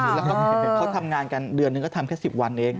แล้วก็เขาทำงานกันเดือนนึงก็ทำแค่๑๐วันเอง